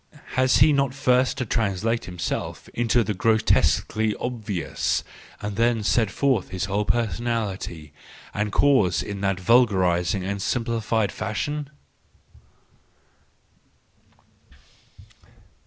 Has he not first to translate himself into the grotesquely obvious, and then set forth his whole personality and cause in that vulgarised and simplified fashion